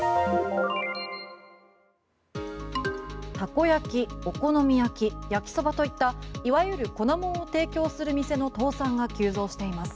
たこ焼き、お好み焼き焼きそばといったいわゆる粉もんを提供する店の倒産が急増しています。